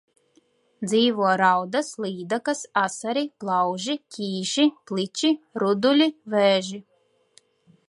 Dzīvo raudas, līdakas, asari, plauži, ķīši, pliči, ruduļi, vēži.